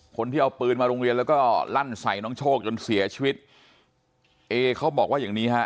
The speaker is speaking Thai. คนที่เอาปืนมาโรงเรียนแล้วก็ลั่นใส่น้องโชคจนเสียชีวิตเอเขาบอกว่าอย่างนี้ฮะ